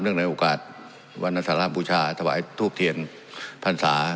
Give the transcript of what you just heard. เนื่องในโอกาสวันอันสารห้ามพูชาสวัสดิ์ทูปเทียนพรรษา